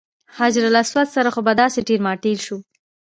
حجر اسود سره خو به داسې ټېل ماټېل شو.